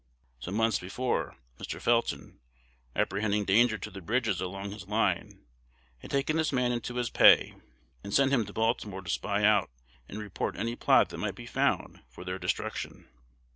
Some months before, Mr. Felton, apprehending danger to the bridges along his line, had taken this man into his pay, and sent him to Baltimore to spy out and report any plot that might be found for their destruction.